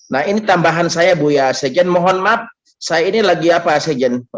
nah ini tambahan saya bu ya sekjen mohon maaf saya ini lagi apa sekjen